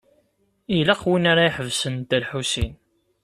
Ilaq win ara iḥebsen Dda Lḥusin.